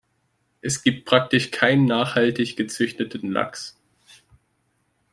Es gibt praktisch keinen nachhaltig gezüchteten Lachs.